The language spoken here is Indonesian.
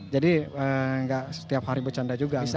jadi gak setiap hari becanda juga